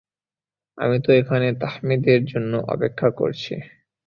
আমি তো এখানে তাহমিদের জন্য অপেক্ষা করছি।